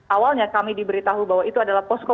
awalnya kami diberitahu bahwa itu adalah posko